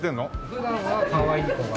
普段はかわいい子が。